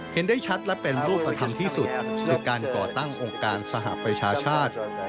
เห็นได้ชัดและเป็นรูปธรรมที่สุดในการก่อตั้งองค์การสหประชาชาติ